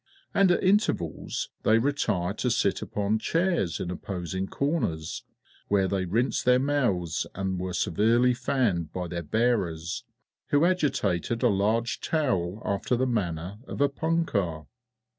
And at intervals they retired to sit upon chairs in opposing corners, where they rinsed their mouths, and were severely fanned by their bearers, who agitated a large towel after the manner of a punkah.